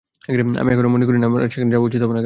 আমি এখনো মনে করি আপনার সেখানে যাওয়া উচিৎ হবেনা কেন?